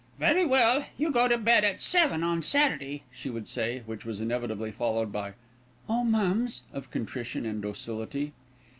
"Very well, you go to bed at seven on Saturday," she would say, which was inevitably followed by an "Oh, mums!" of contrition and docility.